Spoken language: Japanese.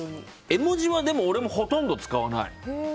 絵文字は俺もほとんど使わない。